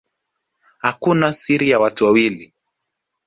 Hakuna siri ya watu wawili